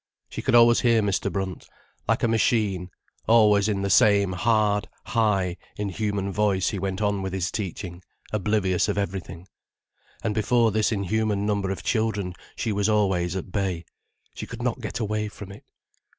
She could always hear Mr. Brunt. Like a machine, always in the same hard, high, inhuman voice he went on with his teaching, oblivious of everything. And before this inhuman number of children she was always at bay. She could not get away from it.